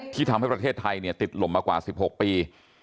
ที่ทำให้ประเทศไทยเนี่ยติดหล่มมากว่า๑๖ปี